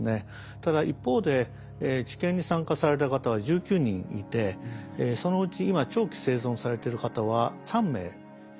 ただ一方で治験に参加された方は１９人いてそのうち今長期生存されてる方は３名しかいません。